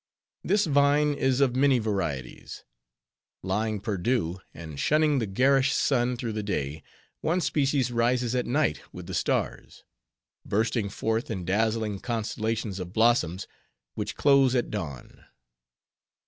This vine is of many varieties. Lying perdu, and shunning the garish sun through the day, one species rises at night with the stars; bursting forth in dazzling constellations of blossoms, which close at dawn.